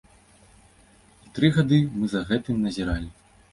І тры гады мы за гэтым назіралі.